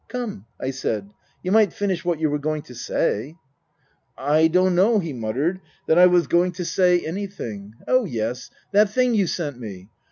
" Come," I said, " you might finish what you were going to say." " I don't know," he muttered, " that I was going to 26 Tasker Jevons say anything Oh yes that thing you sent me.